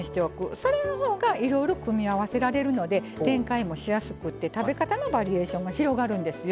それの方がいろいろ組み合わせられるので展開もしやすくて食べ方のバリエーションも広がるんですよ。